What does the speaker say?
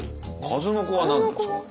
数の子は何なんですか？